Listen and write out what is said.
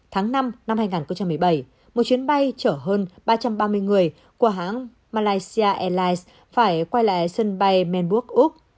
tháng năm năm hai nghìn một mươi bảy một chuyến bay chở hơn ba trăm ba mươi người qua hãng malaysia airlines phải quay lại sân bay manburg úc